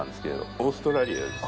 オーストラリアです。